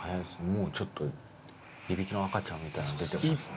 もうちょっといびきの赤ちゃんみたいなの出てますね。